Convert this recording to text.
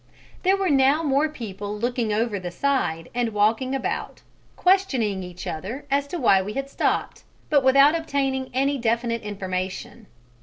There were now more people looking over the side and walking about, questioning each other as to why we had stopped, but without obtaining any definite information.